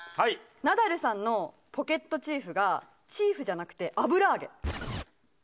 ナダルさんのポケットチーフがチーフじゃなくて油揚げ。